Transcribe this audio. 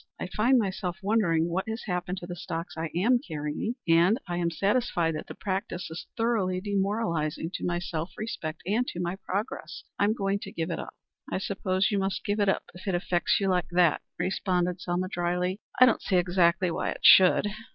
I find myself wondering what has happened to the stocks I am carrying, and I am satisfied that the practice is thoroughly demoralizing to my self respect and to my progress. I am going to give it up." "I suppose you must give it up if it affects you like that," responded Selma drily. "I don't see exactly why it should."